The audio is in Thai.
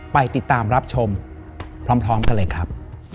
ไปติดตามรับชมพร้อมกันเลยครับ